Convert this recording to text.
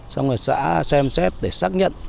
xong rồi xã xem xét để xác nhận